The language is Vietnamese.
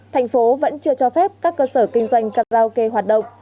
thành phố vẫn chưa cho phép các cơ sở kinh doanh karaoke hoạt động